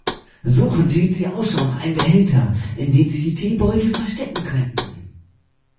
Suchend hielt sie Ausschau nach einem Behälter, in dem sich die Teebeutel verstecken könnten.